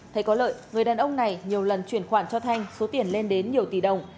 thấy có lợi người đàn ông này nhiều lần chuyển khoản cho thanh số tiền lên đến nhiều tỷ đồng